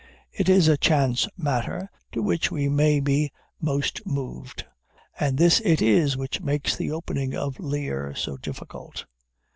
It is a chance matter to which we may be most moved. And this it is which makes the opening of Lear so difficult.